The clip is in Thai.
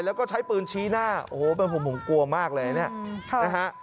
แล้วก็ใช้ปืนชี้หน้าโอ้โฮมันห่วงกลัวมากเลยนะครับ